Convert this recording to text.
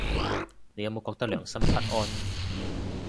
你有冇覺得良心不安